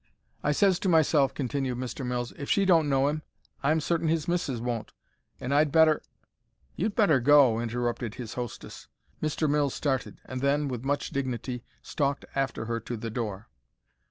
"I says to myself," continued Mr. Mills, "'If she don't know him, I'm certain his missis won't, and I'd better——'" "You'd better go," interrupted his hostess. Mr. Mills started, and then, with much dignity, stalked after her to the door.